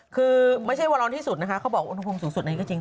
คือไม่ใช่วันร้อนที่สุดนะคะเขาบอกว่าธุพงสูงสุดก็จริง